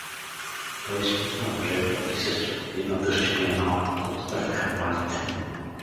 Той изпусна въжето и се строполи на дъсчения малък под пред камбаните.